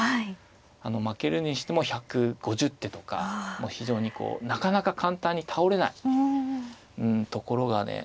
負けるにしても１５０手とか非常にこうなかなか簡単に倒れないところがね